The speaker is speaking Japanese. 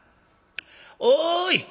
おい！